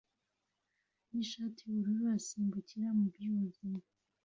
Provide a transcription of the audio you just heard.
nishati yubururu asimbukira mu byuzi